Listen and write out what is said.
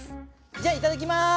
じゃあいただきます！